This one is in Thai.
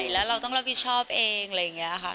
แล้วเราต้องรับผิดชอบเองอะไรอย่างนี้ค่ะ